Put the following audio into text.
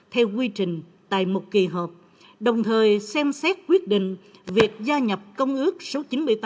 theo quy trình tại một kỳ họp đồng thời xem xét quyết định việc gia nhập công ước số chín mươi tám